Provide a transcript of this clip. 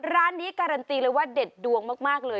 ร้านนี้การันตีเลยว่าเด็ดดวงมากเลย